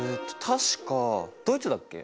確かドイツだっけ？